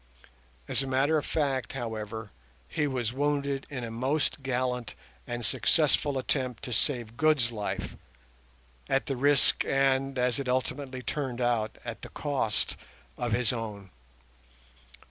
As a matter of fact, however, he was wounded in a most gallant and successful attempt to save Good's life, at the risk and, as it ultimately turned out, at the cost of his own.